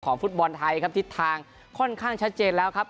ฟุตบอลไทยครับทิศทางค่อนข้างชัดเจนแล้วครับ